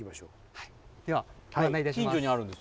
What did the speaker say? ではご案内いたします。